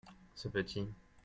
Ce petit.